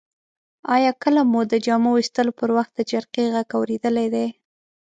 آیا کله مو د جامو ویستلو پر وخت د جرقې غږ اوریدلی دی؟